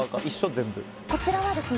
全部こちらはですね